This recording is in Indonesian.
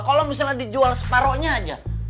kalau misalnya dijual separohnya aja